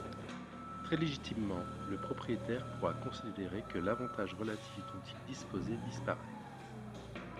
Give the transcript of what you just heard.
Très légitimement, le propriétaire pourra considérer que l’avantage relatif dont il disposait disparaît.